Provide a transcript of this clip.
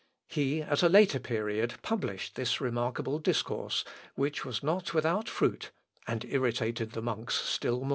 " He at a later period published this remarkable discourse, which was not without fruit, and irritated the monks still more.